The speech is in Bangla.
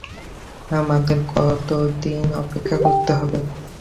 আমাদের কতদিন অপেক্ষা করতে হবে?